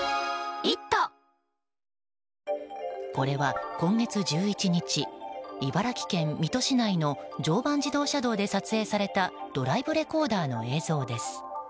これは今月１１日茨城県水戸市内の常磐自動車道で撮影されたドライブレコーダーの映像です。